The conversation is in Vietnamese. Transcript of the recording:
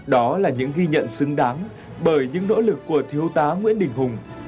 đó là những ghi nhận xứng đáng bởi những nỗ lực của thiếu tá nguyễn đình hùng